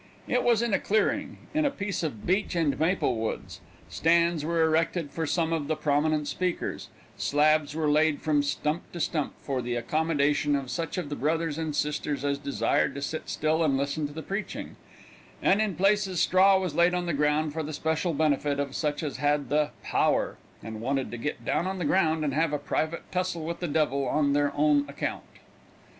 It was in a clearing, in a piece of beech and maple woods. Stands were erected for some of the prominent speakers; slabs were laid from stump to stump, for the accommodation of such of the brothers and sisters as desired to sit still and listen to the preaching, and in places straw was laid on the ground, for the special benefit of such as had the "power," and wanted to get down on the ground and have a private tussle with the devil on their own account.